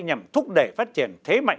nhằm thúc đẩy phát triển thế mạnh